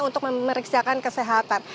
untuk memeriksa kesehatannya